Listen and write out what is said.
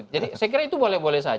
jadi saya kira itu boleh boleh saja